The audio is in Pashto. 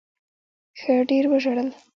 ښه ډېر وژړل.